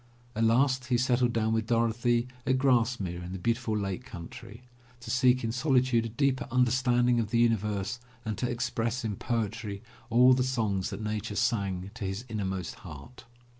At last he settled down with Dorothy at Grasmere in the beautiful Lake Country, to seek in solitude a deeper understanding of the universe and to express in poetry all the songs that Nature sang to his inmost heart.